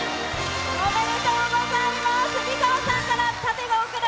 おめでとうございます。